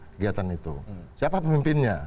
kegiatan itu siapa pemimpinnya